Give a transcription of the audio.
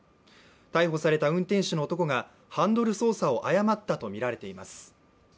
逮捕された運転手の男がハンドル操作を誤ったとみられます。